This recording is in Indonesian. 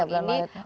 iya bulan maret